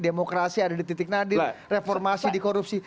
demokrasi ada di titik nadir reformasi di korupsi